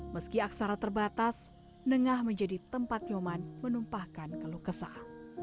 meski aksara terbatas nengah menjadi tempat nyoman menumpahkan keluh kesah